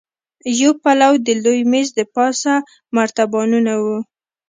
يو پلو د لوی مېز دپاسه مرتبانونه وو.